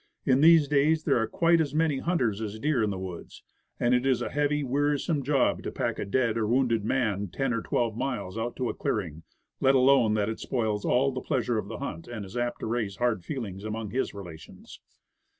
In these days there are quite as many hunters as deer in the woods; and it is a heavy, wearisome job to pack a dead or wounded man ten or twelve miles out to a clearing, let alone that it spoils all the pleasure of the hunt, and is apt to raise hard feelings among his relations.